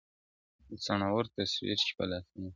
د څڼور تصوير چي په لاسونو کي دی~